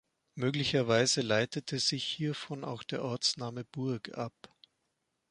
Möglicherweise leitete sich hiervon auch der Ortsname "Burg" ab.